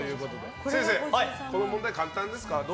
先生、この問題簡単ですか？